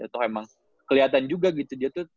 atau emang kelihatan juga gitu dia tuh